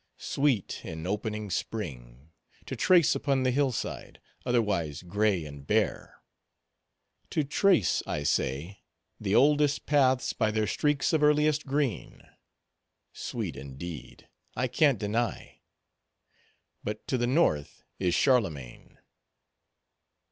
Sweet, in opening spring, to trace upon the hill side, otherwise gray and bare—to trace, I say, the oldest paths by their streaks of earliest green. Sweet, indeed, I can't deny; but, to the north is Charlemagne.